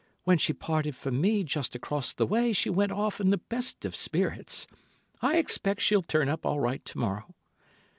"When she parted from me, just across the way, she went off in the best of spirits. I expect she'll turn up all right to morrow."